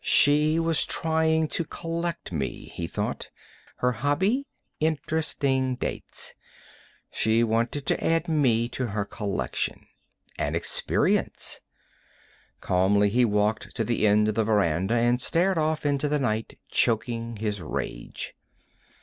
She was trying to collect me, he thought. Her hobby: interesting dates. She wanted to add me to her collection. An Experience. Calmly he walked to the end of the veranda and stared off into the night, choking his rage.